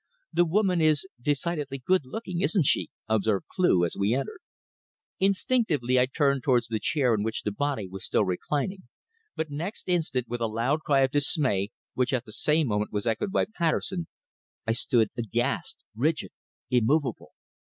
"The woman is decidedly good looking, isn't she?" observed Cleugh as we entered. Instinctively I turned towards the chair in which the body was still reclining, but next instant, with a loud cry of dismay, which at the same moment was echoed by Patterson, I stood aghast, rigid, immovable.